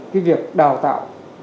cái việc đào tạo